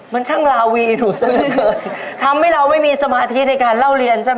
มันช่างลาวีถูกซื้อเลยทำให้เราไม่มีสมาธิในการเล่าเรียนใช่ไหม